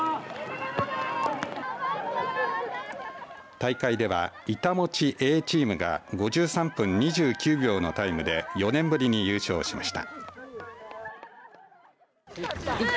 大会では板持Ａチームが５３分２９秒のタイムで４年ぶりに優勝しました。